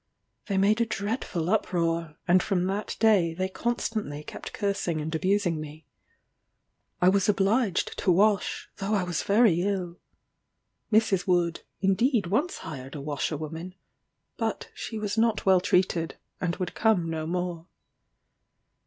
They made a dreadful uproar, and from that day they constantly kept cursing and abusing me. I was obliged to wash, though I was very ill. Mrs. Wood, indeed once hired a washerwoman, but she was not well treated, and would come no more.